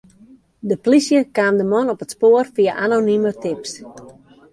De polysje kaam de man op it spoar fia anonime tips.